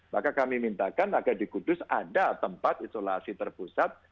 maka kami mintakan agar di kudus ada tempat isolasi terpusat